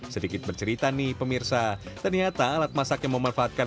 sedikit bercerita nih pemirsa ternyata alat masak yang memanfaatkan